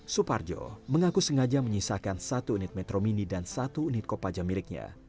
suparjo mengaku sengaja menyisakan satu unit metro mini dan satu unit kopaja miliknya